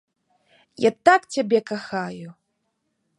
Я так цябе кахаю.